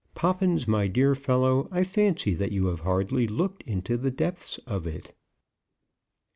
Poppins, my dear fellow, I fancy that you have hardly looked into the depths of it."